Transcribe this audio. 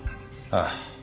ああ。